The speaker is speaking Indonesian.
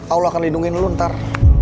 allah akan lindungin lo ntar